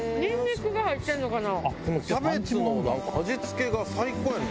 このキャベツの味付けが最高やんな。